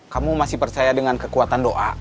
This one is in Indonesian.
kamu masih percaya dengan kekuatan doa